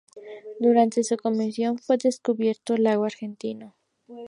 Durante su comisión fue descubierto Lago Argentino.